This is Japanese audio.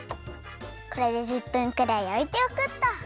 これで１０分くらいおいておくっと。